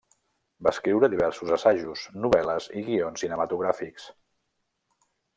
Va escriure diversos assajos, novel·les i guions cinematogràfics.